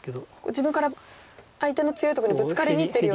自分から相手の強いところにブツカりにいってるような。